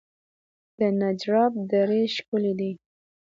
د نجراب درې ښکلې دي